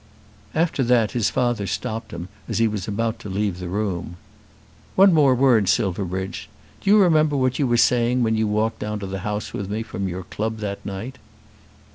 After that his father stopped him as he was about to leave the room. "One more word, Silverbridge. Do you remember what you were saying when you walked down to the House with me from your club that night?"